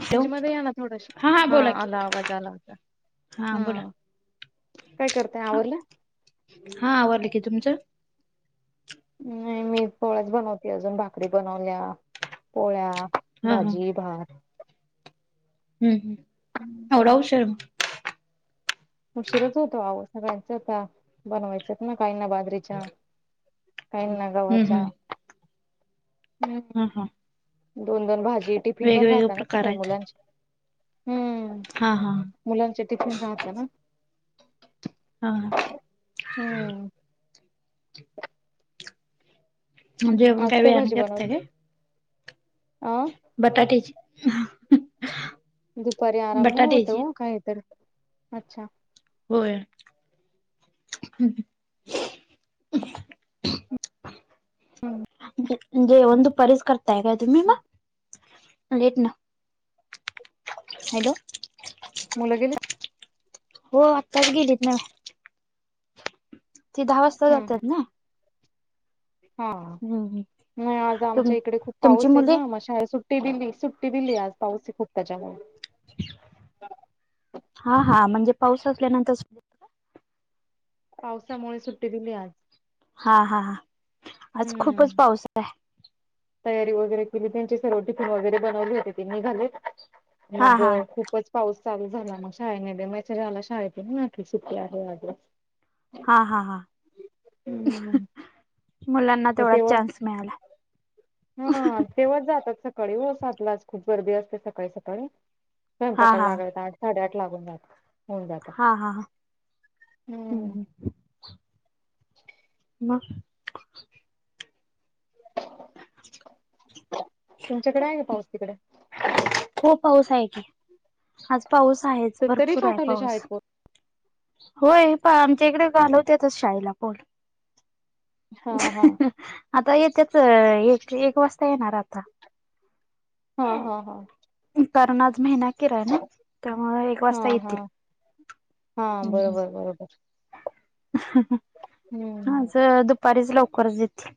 Hello रेंजमध्ये या ना थोडस. हा आला, आवाज आला आता हा. काय करताय हा आवरल? हा आवरलं की, तुमचं? नाही. मी पोळ्याच बनवते अजून भाकरी बनवल्या, पोळ्या हा हा भाजी भात. हुं हुं एवढा उशीर? उशीरच होतो आहो. सगळ्यांचं आता बनवायचंत ना काही ना बाजरी रीच्या, काहींना हम्म गव्हाच्या. हम्म खूप. हा हा. दोन, दोन भाजी, टिफिन पण वेगवेगळे राहत ना प्रकार सकाळी आहेत मुलांचे. हुं. हा हा. मुलांचे टिफिन राहता ना. हा हा. हम्म जेवण आज काय वेळाने भाजी करताय बनवली? काय अं. बटाट्याची. दुपारी आराम नाही होत बटाट्याची हो काहीतरी. अच्छा. होय. हम्म. जेवण दुपारीच करताय का तुम्ही मग? लेट ना हॅलो. मुलं गेली? हो आत्ताच गेलीत ना. ते दहा वाजता जात्यात ना. हम्म. नाही आज तुम आमच्या इकडे खूप तुमची पाऊस आहेत मुले ना मग शाळेला सुट्ट ते बी बेसिक टीव्ही ले आता हुं, ऐसे फुकटाच्या घरी. हा हा म्हणजे पाऊस असल्यानंतर सु पावसामुळे सुट्टी दिली आज. हा हा हा आज खूपच हम्म पाऊस आहे. तयारी वगैरे केली त्यांची, सर्व टिफिन वगैरे बनवले होते, ते निघालेत हा मग हा खूपच पाऊस चालू झाला मग शाळेने दे मॅसेज आला शाळेकडून आज सुट्टी आहे मात्र. हा हा हा. हम्म मुलांना ते तेवढाच तेव्हा चान्स मिळाला. हा तेव्हाच जातात सकाळी ओ सातलाच खूप गर्दी असते सकाळी सकाळी, हा स्वयंपाकाला हा लागायला आठ साडेआठ लागून जाता होऊन जातात हा हा ह हम्म. मग? [unintelligible] तुमच्याकडे आहे का पाऊस तिकडे? हो पाऊस आहे की आज पाऊस आहेच. तरी भरपूर आहे पाठवले पाऊस शाळेत पोर. होय प आमच्या इकडे घालवत्यातच शाळेला पोर. हा हा. आता येत्याच एक एक वाजता येणार आता. हा हा हा. कारण आज महिना आखिर आहे ना, त्यामुळं आज एक हा वाजता हा येतील. हा बरोबर बरोबर. हम्म आज दुपारीच लवकरच येतील.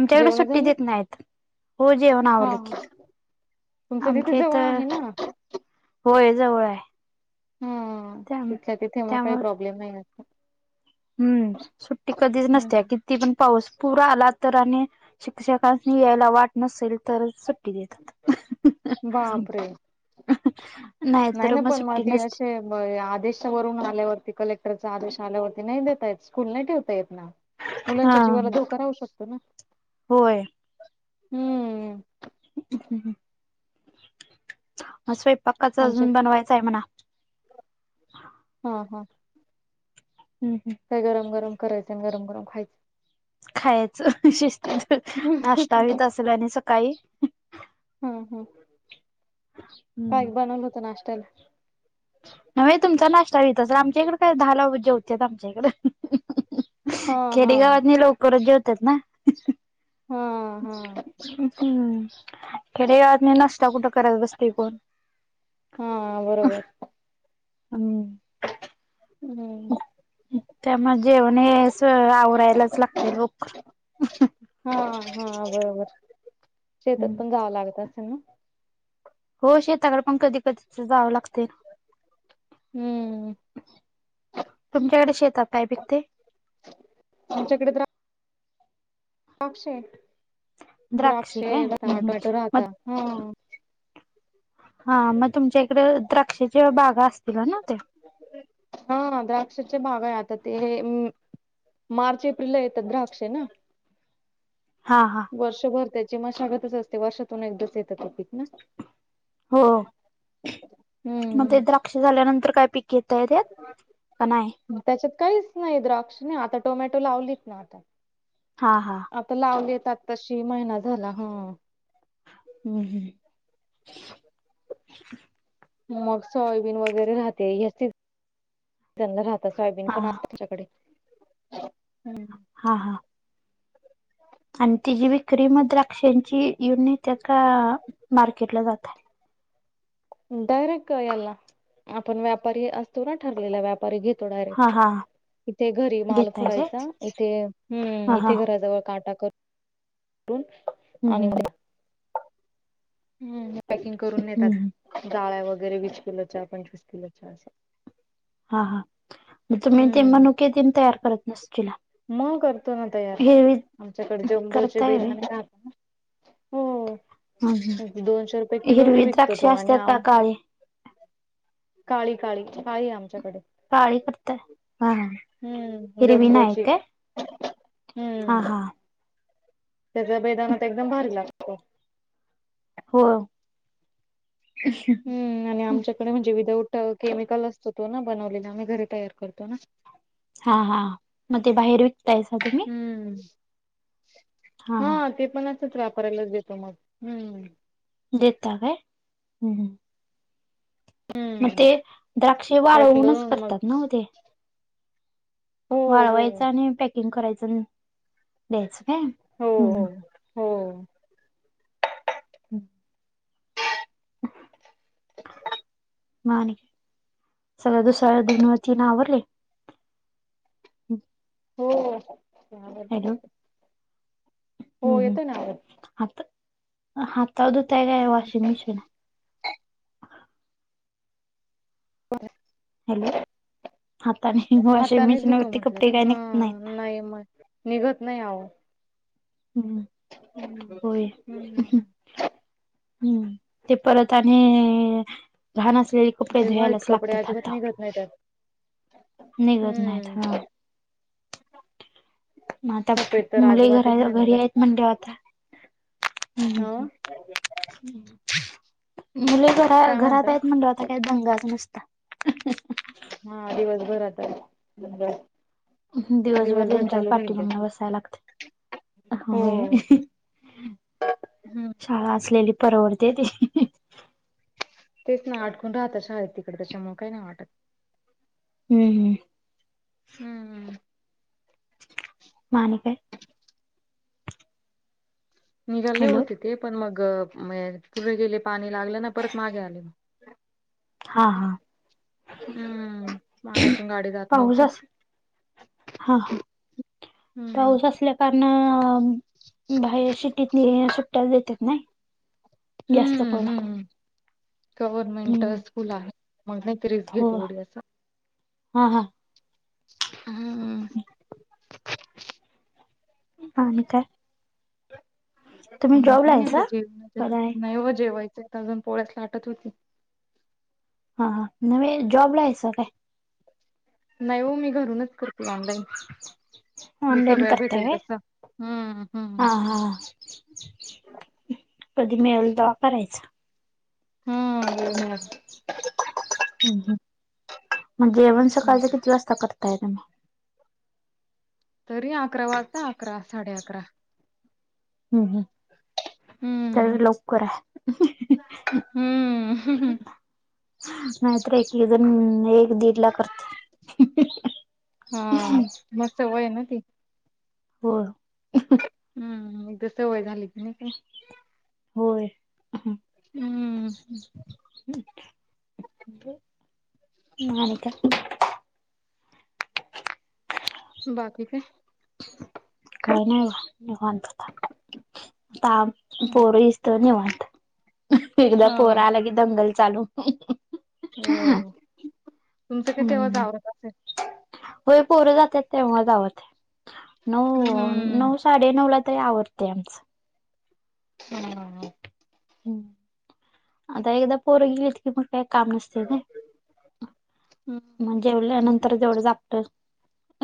आमच्याकडं जेवण सुट्टी झाले देत नाहीत. हो जेवण हा आवरल की. हा तुमचं तिथे आमच्या जवळ इथं आहे ना होय जवळाय. हम्म तिथल्या तिथे मग काही त्यामुळे प्रॉब्लेम नाही असं. हम्म सुट्टी कधीच नसत्या हम्म कि ती पण पाऊस पुर आला तर आणि शिक्षकासनी यायला वाट नसेल तर सुट् टी देतेत. बापरे [unintelligible] नाही ना पण म ती अशे होय आदेश वरून आल्यावरती कलेक्टरचा आदेश आल्यावरती नाही देतायेत स्कूल नाही ठेवता येत ना. हा मुलांच्या जीवाला धोका राहू शकतो ना? होय हम्म. आज स्वयंपाकाचं आमचे अजून बनवायचं आहे म्हणा. हा हा. हम्म हम्म. काय गरम गरम करायचं आणि गरम गरम खाय खायचं शिस्तीत नाश्ता व्हित असल आणि सकाळी. हम्म हम्म काय हम्म बनवलं होतं नाष्टाला? होय तुमचा नाश्ता व्हित असल, आमच्या इकडं काय दहाला जेवत्यात आमच्या इकडं. हा हा खेडेगावातनी लवकरच जेवतत्यात ना. हा हा हम्म खेडे गावातनी नाष्टा कुठं करत बसतंय कोण. हा बरोबर. हम्म. हम्म त्यामुळे जेवण हे सगळं आवरायलाच लागतंय लवकर. हा हा बरोबर, शेतात हम्म. पण जावं लागत असल ना? हो शेताकडं पण कधी कधी त जावं लाग ते ना. हम्म तुमच्याकडे शेतात काय पिकतंय? आमच्याकडे तर द्रा क्षे द्राक्षे काय हम्म, हम्म. [unintelligible] मग राहता हा. हा म तुमच्या इकडं द्राक्षेच्या बागा असतील ना ते? हा द्राक्षचे बाग आहे आता ते मार्च, एपिल येतात द्राक्षे ना. हां हां वर्षभर त्याची मशागतच असते वर्षातून एकदाच येत पीक ना हो मग हम्म ते द्राक्ष झाल्यानंतर काय पिक घेतात का नाही. त्याच्यात काहीच नाही द्राक्ष नाही आता टोमॅटो लावलीत ना आता हा हा आता लावलेेत आातताशी महिना झाला ह हम्म हम्म मग सोयाबीन वगैरे राहते येतीत त्यां राहत सोयाबीन हा पण तच्याकडे हम् हा हा आणि तिची विक्री मग द्राक्षांची येऊन नेतात का मार्केटला जातय डायरेक्ट यायला आपण व्यापारी असतो ना ठरलेला व्यापारी घेत तो हा डायरेक्ट- हा इथे घरी माल घेताय काय कुडायचा इथे हम्म हा हा इथे घराजवळ काटा म्हणून हम् हम ह पॅकिंग करून नेतात हम्म. गाळ्या वगैरे वीस किलोच्या पंचवीस किलोच्या अस हा हा तुम्ही ते हम्म मनुके तन तयार करत नसतिला मग करतो ना तयार आमच्याकडे जंबूचे करताय व्हय बेदाणे राहात हो हम्म हम्म. दोनशे रुपये किलो हिरवी विकतो द्राक्षे तो आणि असतात का आम काळी काळी काळी काळी आमच्याकडे काळी करतय हा हम्म हिरवी ना जम्बोची काय? हा हा त्याच्या बेदानात तर एकदम भारी लागतो हो हम्म आणि आमच्याकडे म्हणजे विदाउट केमिकल असतो तो ना बनवलेला आम्ही घरी तयार करतो ना हा हा मग ते बाहेर विकतायना तुम्ही? हम्म हा ते पण असंच वापरालाच देतो मग हम्म देता होय मग हम्म ते द्राक्ष पॅकिंग वाळवूनच करून मग करतात ना ते हो हो वाळवायचं आणि पॅकिंग करायचं द्यायचं काय हो हो हो. हम् मा आणि सगळ् दुसळ्या धुण ती आवरल हो आवरल हॅलो हम्म आवाज. हम्म हातावर धुवा काय हम्म वाॉशिंग मशीन आहे बरं हॅलो हाताने वॉशिंग हाताने मशीन धुतो वरती म्हटलं कपडे काय हा निघत नाहीत नाही म निघत नाही आहो हम्म हम्म होय हम्म. हम्म ते परत आणि घाण असले ते व्हाईट कपडे अजिबात निघत नाही. निघत नाहीत हम्म हा आता सफेद तर मुले अजिबातच नाही घरी आहेत निघत. म्हणल्यावर आता हा. हम्म मुले घरा, काय घरात म्हणता? आहेत म्हणाल. आता काय दंगाच नुसता. हा दिवसभर आता दिवसभर त्यांच्याच चालू राहील पाठी ते मागन बसाय लागतय हो होय. शाळा असलेली परवडते ती. तेच ना आटकून राहत शाळेत तिकडे त्याच्यामुळे काही नाही वाटत. हम्म, हम्म. हम्म, हम्म. मग आणि काय? निघाले हॅलो होते ते पण मग पुढे गेले पाणी लागलं ना परत मागे आले. हा हा हम्म पाण्यातून गाडी जात पाऊस नव्हती. अस हा हा हम्म पाऊस असल्याने कारण बाहेर शिटीतनी सुट्ट्या देतेत नाही? जास्त हम्म पड. हम्म गव्हर्नमेंट स्कूल आहे मग नाही ते रिस्क हो घेते एवढी असं. हा हा. हम्म. आणि काय? का तुम्ही जॉबला नाही आग आहेसा जेवायच कलाय नाहीव जेवायचं अजून पोळ्याच लाटत होती. हा नव्हे जॉब ला हायसा काय? नाही हो मी घरूनच करते ऑनलाईन. जस ऑनलाईन वेळ करताय भेटेल काय तसं हम्म, हा हम्म. हा कधी मिळेल तवा करायचा. हम्म‌ हम्म, हम्म मग जेवण हम्म, सकाळच किती वाजता करताय तुम्ही? तरी अकरा वाजता अकरा, साडे अकरा. हम्म तरी लवकर आहे. हम्म नाहि तर एक, एक जन दीड ला करते. तुम्हाला सवय हाय ना ती. होय. हम्म, हम्म तेच तर एकदा सवय झाली कीड नाही काही. होय. हम्म मग आणि काय? बाकी काय? काही नाही बघा निवांत आता हम्म, पोर धन्यवाद एकदा पोरं हा आला कि दंगल चालू. हो तुमचं काय तेव्हाच हम्म आवरत असेल? होय पोर जात्यात तेव्हाच आवरतय नऊ, हम्म नऊ साडे साडे नऊ ला तरी आवरतय आमचं. हम्म, हम्म. हम्म आता एकदा पोर गेली की कि मग काय काम नसतय नी हम्म मग जेवल्या नंतर तेवढचं आपल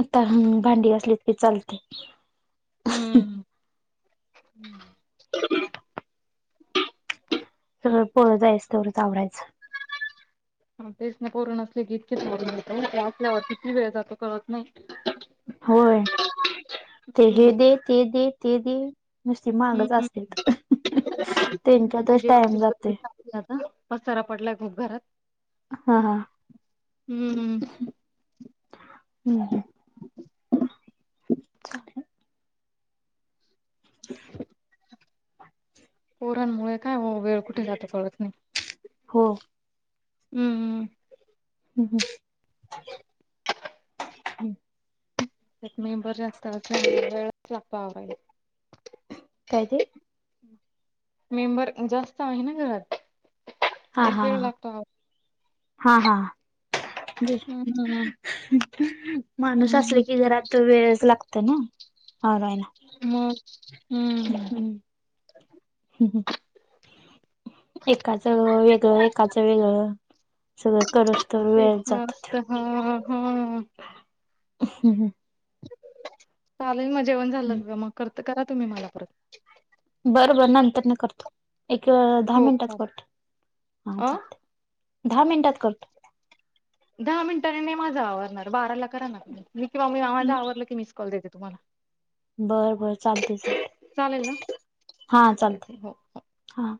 आता ह भांडी घासलीत की चालतय. हम्म, बर. सगळं पोर जाईस्तवरच आवरायचं. हा तेच ना, पोर नसले कि किती वाजले कळत नाहि. असल्यावर किती वेळ जातो कळत नाही. व्हय, ते हम्म हे दे, ते दे, ते दे. नुसती मागच हम्म असतेत. आमची त्यांच्यातच टाइम जेवची गर्दी जातोय चांगली आता. पसारा पडलाय खुप घरात. हा हा. हुं. हू. हू हू. पोरांमुळे काय हो, वेळ कुठे जातो कळत नाही. हो. हुं. हू हू. त्यात मेंबर जास्त असले कि, वेळच लागतो आवरायला. काय ते? मेंबर जास्त आहे ना घरात. हा मग हा. वेळ लागतो आव हा हा. [inaudible] हम्म माणूस असल हम्म की, जरा वेळच लागत ना आवरायला. मग हुं. हू हू. एकाच वेगळं, एकाचं वेगळं, सगळं करूस तर वेळ तेच जातो नुस्त, हू हू. [inaudible] चालेल म जेवण झालं मग करते. करा तुम्ही मला. बर बर नंतरन करतो. एक दहा हो मिनिटात चालेल करतो. हा अ चालतय. दहा मिनिटात करतो. दहा मिनटांनी नाही माझा आवरणार. बाराला करा णा. मी किंवा मी माझं आवरलं की, मिस कॉल देते तुम्हाला. बरं बर चालतय चालतय. चालेल ना? हा चालतय. चालते हो. हा.